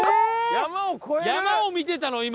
山を見てたの？